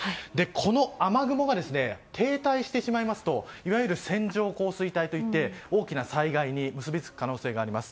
この雨雲が停滞してしまいますといわゆる線上降水帯といって大きな災害に結びつく可能性があります。